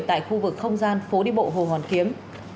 tại khu vực không gian phố đi bộ hồ hoàn kiếm